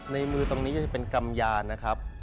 ในมือตรงนี้ก็จะเป็นกำยานนะครับ